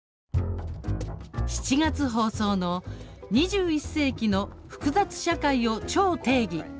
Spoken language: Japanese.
７月放送の「２１世紀の複雑社会を超定義」。